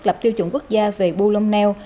lập tiêu chuẩn quốc gia về bù lông neo